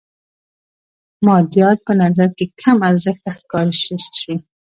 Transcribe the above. مادیات په نظر کې کم ارزښته ښکاره شي.